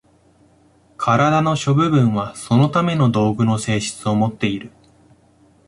身体の諸部分はそのための道具の性質をもっている。